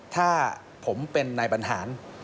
ถ้าผมเป็นนายบรรหาร